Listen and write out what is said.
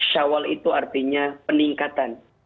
shawwal itu artinya peningkatan